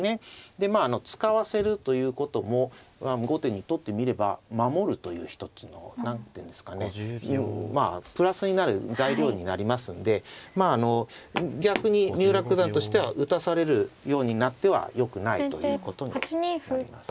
でまあ使わせるということも後手にとってみれば守るという一つの何ていうんですかねまあプラスになる材料になりますんで逆に三浦九段としては打たされるようになってはよくないということになります。